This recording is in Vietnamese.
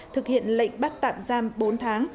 thực hiện lệnh bắt tạm giam bốn tháng